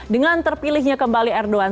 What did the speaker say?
dengan terpilihnya kembali erdogan